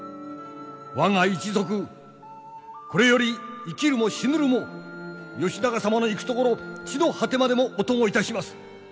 我が一族これより生きるも死ぬるも義仲様の行く所地の果てまでもお供いたします！